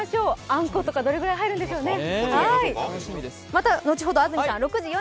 あんことかどれくらい入るんでしょうね。